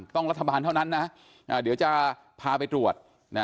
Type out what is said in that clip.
รัฐบาลเท่านั้นนะเดี๋ยวจะพาไปตรวจ